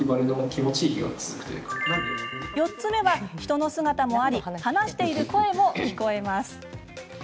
４つ目は、人の姿もあり話している声も聞こえます。